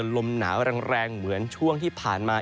ลมหนาวแรงเหมือนช่วงที่ผ่านมา